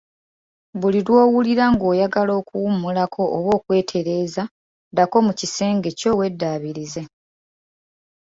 Buli lw‘owulira ng‘oyagala okuwummulako oba okwetereza ddako mu kisenge kyo weddabiriza.